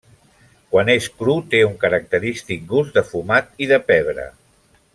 Quan és cru té un característic gust de fumat i de pebre.